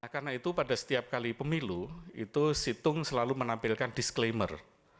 karena itu pada setiap kali pemilu situng selalu menampilkan disclaimer